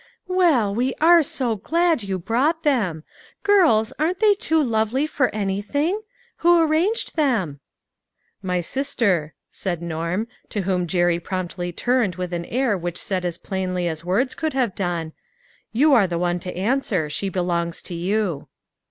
"Well, we are so glad you brought them! Girls, aren 't they too lovely for anything ? Who arranged them?" " My sister," said Norm, to whom Jerry promptly turned with an air which said as plainly as words could have done: "You are the one to answer ; she belongs to you."